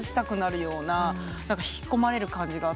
引き込まれる感じがあって。